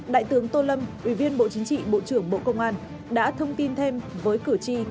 đại tướng tô lâm ủy viên bộ chính trị bộ trưởng bộ công an đã thông tin thêm với cử tri